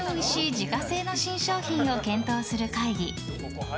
自家製の新商品を検討する会議。